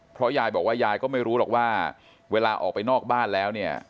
เพราะยายบอกว่ายายก็ไม่รู้หรอกว่าเวลาออกไปนอกบ้านแล้วเนี่ย